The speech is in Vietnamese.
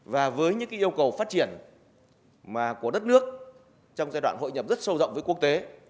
và với những yêu cầu phát triển của đất nước trong giai đoạn hội nhập rất sâu rộng với quốc tế